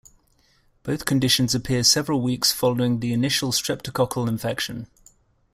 Both conditions appear several weeks following the initial streptococcal infection.